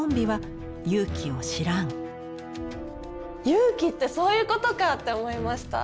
「勇気」ってそういうことか！って思いました。